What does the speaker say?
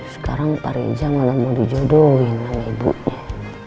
sekarang pareja malah mau dijodohin sama ibunya